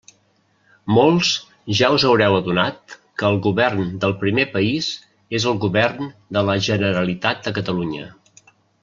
Molts ja us haureu adonat que el govern del primer país és el Govern de la Generalitat de Catalunya.